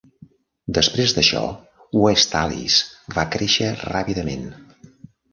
Després d'això, West Allis va créixer ràpidament.